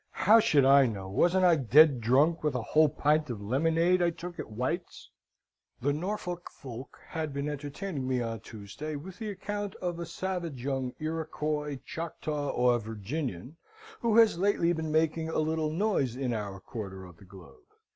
How should I know? Wasn't I dead drunk with a whole pint of lemonade I took at White's? "The Norfolk folk had been entertaining me on Tuesday with the account of a young savage Iroquois, Choctaw, or Virginian, who has lately been making a little noise in our quarter of the globe.